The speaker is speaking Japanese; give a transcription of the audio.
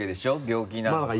病気なのか。